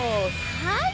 はい。